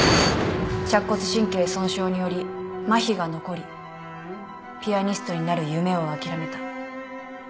尺骨神経損傷によりまひが残りピアニストになる夢を諦めた。